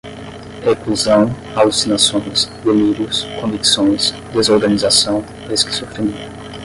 reclusão, alucinações, delírios, convicções, desorganização, esquizofrenia